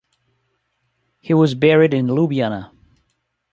He was buried in Ljubljana.